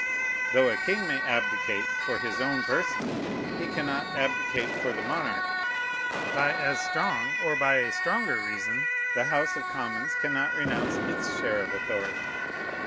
Though a king may abdicate for his own person, he cannot abdicate for the monarchy. By as strong, or by a stronger reason, the House of Commons cannot renounce its share of authority.